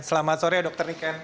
selamat sore dr niken